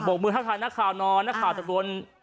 บอกมือมานักขาวนอนนักขาวสัดบน